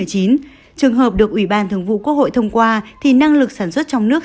trường hợp được ủy ban thường vụ quốc hội thông qua thì năng lực sản xuất trong nước